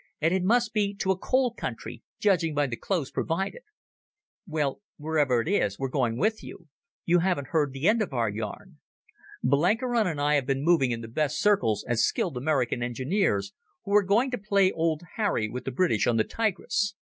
And it must be to a cold country, judging by the clothes provided." "Well, wherever it is, we're going with you. You haven't heard the end of our yarn. Blenkiron and I have been moving in the best circles as skilled American engineers who are going to play Old Harry with the British on the Tigris.